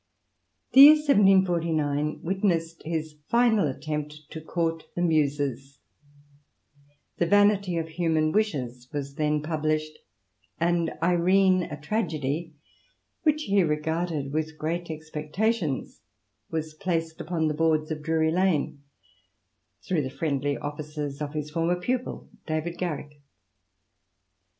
The year 1749 witnessed his • final attempt to court the muses ; the " Vanity of Human Wishes " was then published, and " Irene,*' a tragedy, which he regarded with great expectations, was placed upon the boards of Drury Lane, through the friendly ofiGices of his former pupil, David Garrick.